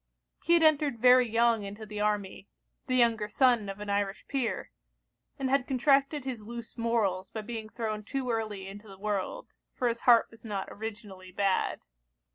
He had entered very young into the army; the younger son of an Irish peer; and had contracted his loose morals by being thrown too early into the world; for his heart was not originally bad.